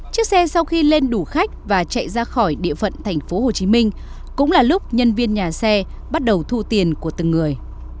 chiếc xe sau khi lên đủ khách và chạy ra khỏi địa phận thành phố hồ chí minh cũng là lúc nhân viên nhà xe bắt đầu thu tiền của từng người